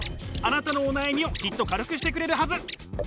あなたのお悩みをきっと軽くしてくれるはず。